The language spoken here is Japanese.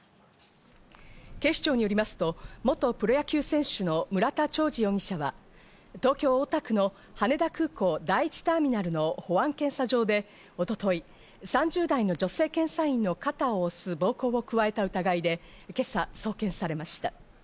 警視庁によりますと、元プロ野球選手の村田兆治容疑者は東京・大田区の羽田空港・第１ターミナルの保安検査場で一昨日、３０代の女性検査員の肩を押す暴行を加えた疑いで、今朝送検されました。